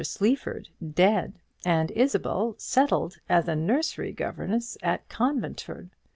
Sleaford dead, and Isabel settled as a nursery governess at Conventford!